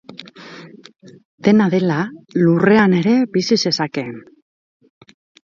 Dena dela, lurrean ere bizi zezakeen.